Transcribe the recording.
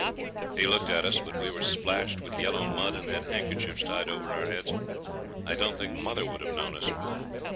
He looked at us, but we were splashed with yellow mud, and had handkerchiefs tied over our heads. I don't think mother would have known us.